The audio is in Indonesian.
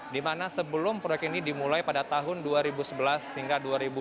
dimana sebelum proyek ini dimulai pada tahun dua ribu sebelas hingga dua ribu dua puluh